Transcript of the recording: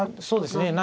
そうですね。